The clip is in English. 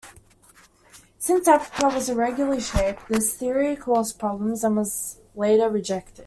Since Africa was irregularly shaped, this theory caused problems and was later rejected.